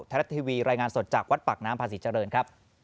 รัฐทีวีรายงานสดจากวัดปากน้ำพาศรีเจริญครับ